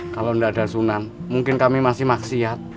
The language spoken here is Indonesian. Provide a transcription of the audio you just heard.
kalau tidak ada sunan mungkin kami masih maksiat